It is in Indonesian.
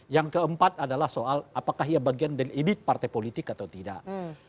yang keempat adalah soal apakah ia bagian dari edit partai politik atau tidak